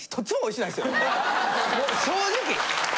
正直。